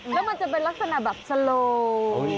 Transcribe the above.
อ๋อและมันจะมีลักษณะโลค